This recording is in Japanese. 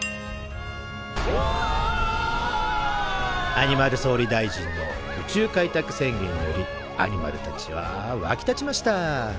アニマル総理大臣の「宇宙開拓宣言」によりアニマルたちはわき立ちました。